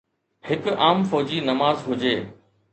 هڪ عام فوجي نماز هجي